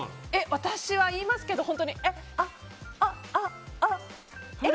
私は言いますけどあえ？え？